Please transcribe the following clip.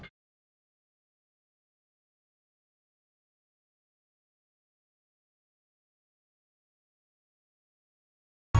jadi cukup juga sisit ke bottoms